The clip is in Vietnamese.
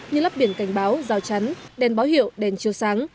như lắp biển cảnh báo rào chắn đèn báo hiệu đèn chiều sáng